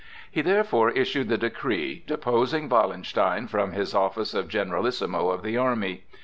He therefore issued the decree, deposing Wallenstein from his office of generalissimo of the army.